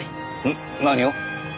ん？何を？